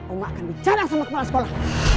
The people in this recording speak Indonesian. oma akan bicara sama kepala sekolah